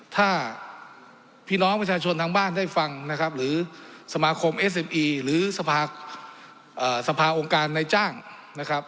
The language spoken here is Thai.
ถ้าพี่น้องประชาชนทางบ้านได้ฟังนะครับหรือสมาคมเอสเอ็มอีหรือสภาองค์การในจ้างนะครับ